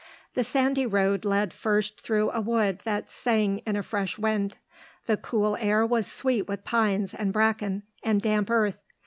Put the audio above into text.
The sandy road led first through a wood that sang in a fresh wind. The cool air was sweet with pines and bracken and damp earth.